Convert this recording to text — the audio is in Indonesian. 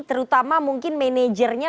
terutama mungkin managernya